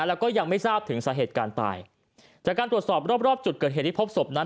แล้วก็ยังไม่ทราบถึงสาเหตุการณ์ตายจากการตรวจสอบรอบรอบจุดเกิดเหตุที่พบศพนั้น